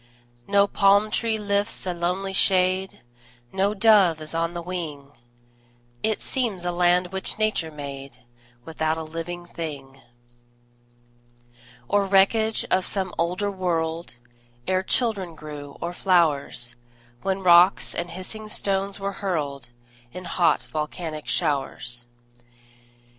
No palm tree lifts a lonely shade, No dove is on the wing; It seems a land which Nature made Without a living thing, Or wreckage of some older world, Ere children grew, or flowers, When rocks and hissing stones were hurled In hot, volcanic showers.